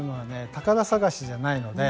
宝探しじゃないので。